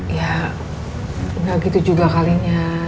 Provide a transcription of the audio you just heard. ya udah gitu juga kalinya